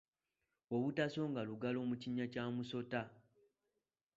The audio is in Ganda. Obutasonga lugalo mu kinnya kya musota.